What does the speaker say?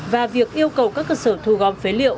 và việc yêu cầu các cơ sở thu gom phế liệu